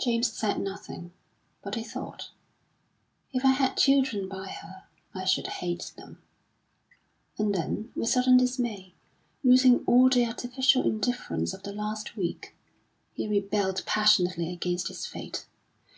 James said nothing, but he thought: "If I had children by her, I should hate them." And then with sudden dismay, losing all the artificial indifference of the last week, he rebelled passionately against his fate.